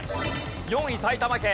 ４位埼玉県。